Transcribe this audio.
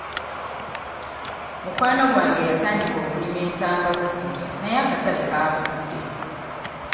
Mukwano gwange yatandika okulima entangawuuzi naye akatale kaagudde.